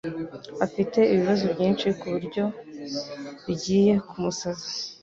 Afite ibibazo byinshi kuburyo bijyiye kumusaza.